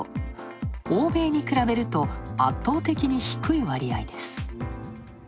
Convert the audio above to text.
欧米に比べると圧倒的に低い割合です。